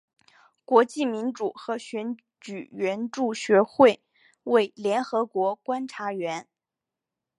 国际民主和选举援助学会为联合国观察员。